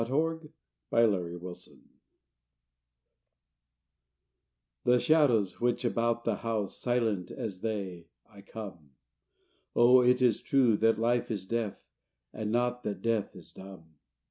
THE FIRST CHRISTMAS APART. The shadows watch about the house; Silent as they, I come. Oh, it is true that life is deaf, And not that death is dumb.